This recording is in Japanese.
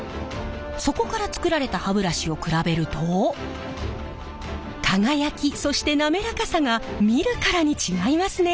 そこから作られた歯ブラシを比べると輝きそして滑らかさが見るからに違いますね。